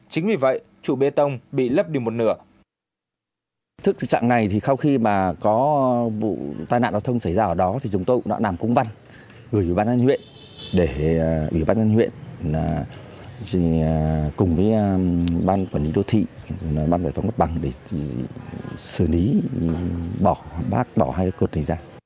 chính vì vậy trụ bê tông bị lấp đi một nửa